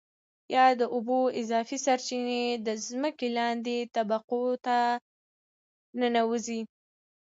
یا د اوبو اضافي سرچېنې د ځمکې لاندې طبقاتو Aquifers ته ننوځي.